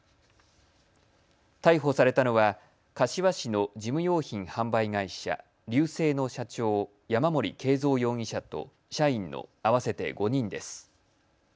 逮捕されたのは柏市の事務用品販売会社リューセイの社長、山森敬造容疑者と社員の合わせて５人です。